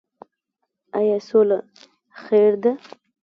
آیا سوله خیر ده؟